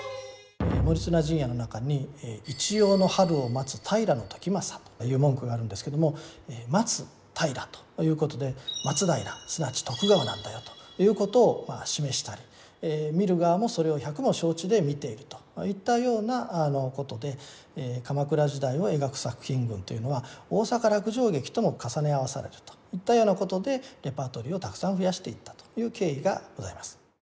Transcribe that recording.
「盛綱陣屋」の中にという文句があるんですけども「待つ平」ということで「松平」すなわち徳川なんだよということを示したり見る側もそれを百も承知で見ているといったようなことで鎌倉時代を描く作品群というのは大坂落城劇とも重ね合わされるといったようなことでレパートリーをたくさん増やしていったという経緯がございます。